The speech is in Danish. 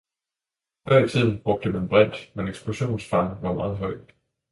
Før i tiden brugte man brint, men eksplosionsfaren var meget høj.